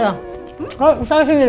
oh saya sendiri